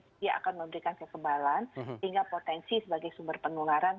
sehingga potensi sebagai sumber penularan